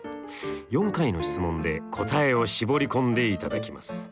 ４回の質問で答えを絞り込んでいただきます。